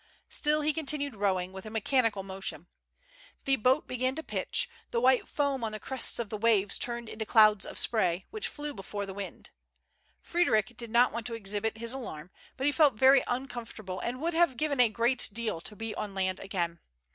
Still he continued rowing, with a mechanical motion. The boat began to pitch, the white foam on the crests of the waves turned into clouds of spray, which flew before the wind. Frederic did not want to exhibit his alarm, but he felt very uncomfortable, and would have given a great deal to be on land again.